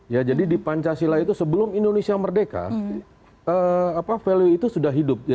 ya jadi di pancasila itu sebelum indonesia merdeka value itu sudah hidup